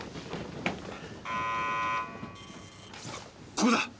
ここだ！